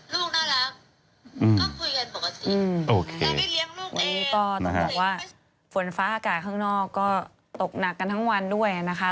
ตอนนี้ตอนนี้ว่าฝนฟ้าอากาศข้างนอกก็ตกหนักกันทั้งวันด้วยนะคะ